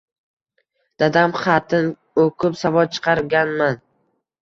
Dadam xatin o’kib savod chiqarganman.